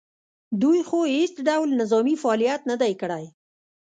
دوی خو هېڅ ډول نظامي فعالیت نه دی کړی